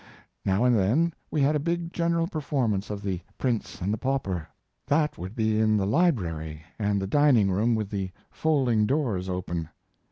Now and then we had a big general performance of "The Prince and the Pauper." That would be in the library and the dining room with the folding doors open.